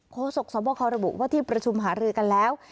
โฆษกสมบัติเขาระบุว่าที่ประชุมหารือกันแล้ว